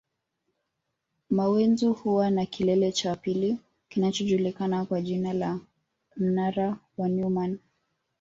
Mawenzi huwa na kilele cha pili kinachojulikana kwa jina la mnara wa Neumann